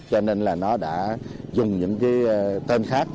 cho nên là nó đã dùng những cái tên khác